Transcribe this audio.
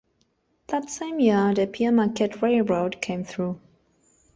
That same year, the Pere Marquette Railroad came through.